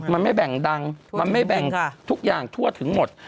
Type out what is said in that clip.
มันไม่แบ่งดังมันไม่แบ่งทุกอย่างทั่วถึงหมด